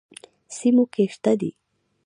سیموکې شته دي.